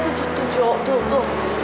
tujuh tujuh tuh tuh